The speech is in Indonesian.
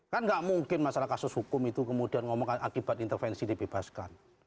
kan nggak mungkin masalah kasus hukum itu kemudian ngomongkan akibat intervensi dibebaskan